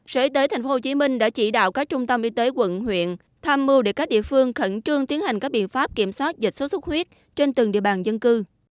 sở y tế tp hcm đã chỉ đạo các trung tâm y tế quận huyện tham mưu để các địa phương khẩn trương tiến hành các biện pháp kiểm soát dịch xuất xuất huyết trên từng địa bàn dân cư